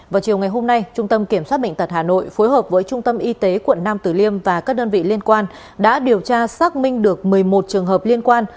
vào chiều ngày hôm nay trung tâm kiểm soát bệnh tật hà nội phối hợp với trung tâm y tế quận nam tử liêm và các đơn vị liên quan đã điều tra xác minh được một mươi một trường hợp liên quan